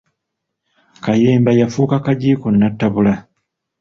Kayemba yafuuka kagiiko nnattabula.